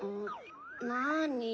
なに？